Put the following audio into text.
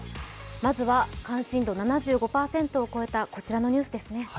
まずは関心度７５％を超えたこちらのニュースですね。